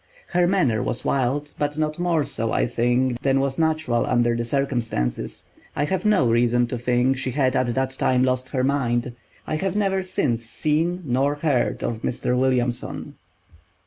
Her manner was wild, but not more so, I think, than was natural under the circumstances. I have no reason to think she had at that time lost her mind. I have never since seen nor heard of Mr. Williamson."